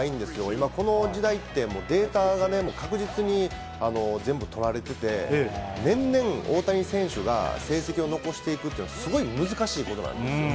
今この時代って、データが確実に全部取られてて、年々、大谷選手が成績を残していくっていうのはすごい難しいことなんですよ。